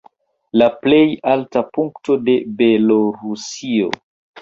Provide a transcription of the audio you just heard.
La plej alta punkto de Belorusio.